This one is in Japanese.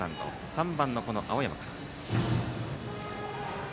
３番の青山から。